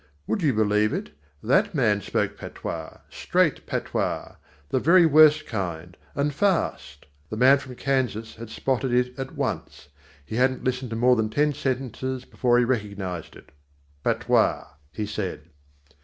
Would you believe it, that man spoke patois, straight patois the very worst kind, and fast. The man from Kansas had spotted it at once. He hadn't listened to more than ten sentences before he recognized it. "Patois," he said.